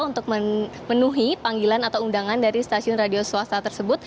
untuk menuhi panggilan atau undangan dari stasiun radio swasta